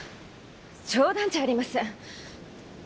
冗談じゃありません。